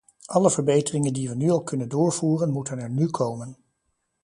Alle verbeteringen die we nu al kunnen doorvoeren, moeten er nu komen.